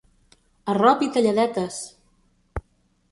Arrop i talladetes!